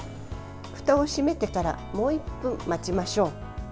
ふたを閉めてからもう１分待ちましょう。